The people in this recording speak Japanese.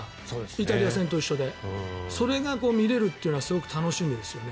イタリア戦と一緒でそれが見れるのはすごく楽しみですよね。